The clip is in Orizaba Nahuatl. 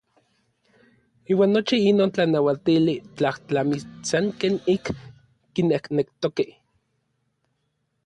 Iuan nochi inon tlanauatili tlajtlamis san ken ik kinejnektokej.